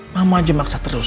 mama aja maksa terus